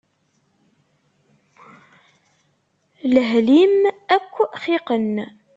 Lehl-im akk xiqen.